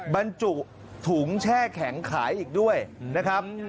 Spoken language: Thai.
บรรจุถุงแช่แข็งขายอีกด้วยนะครับ